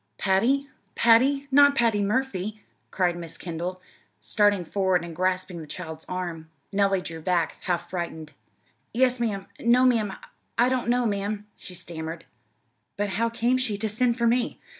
"'Patty'? 'Patty'? Not Patty Murphy!" cried Miss Kendall, starting forward and grasping the child's arm. Nellie drew back, half frightened. "Yes, ma'am. No, ma'am. I don't know, ma'am," she stammered. "But how came she to send for me?